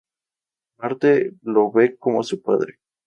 Marte lo ve como su padre.